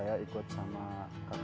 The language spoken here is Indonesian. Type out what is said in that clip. saya ikut kelas satu smp